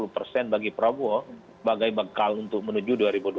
lima puluh persen bagi prabowo bagai bekal untuk menuju dua ribu dua puluh